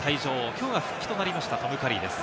きょうが復帰となりました、トム・カリーです。